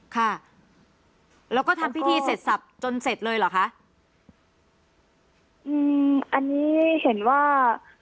ค่ะแล้วก็ทำพิธีเสร็จสับจนเสร็จเลยเหรอคะอืมอันนี้เห็นว่า